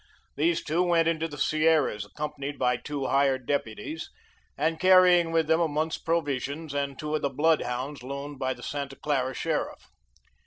These two went into the Sierras, accompanied by two hired deputies, and carrying with them a month's provisions and two of the bloodhounds loaned by the Santa Clara sheriff.